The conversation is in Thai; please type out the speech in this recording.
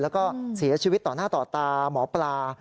แล้วก็เสียชีวิตต่อหน้าต่อตาหมอปลา